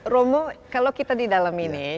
romo kalau kita di dalam ini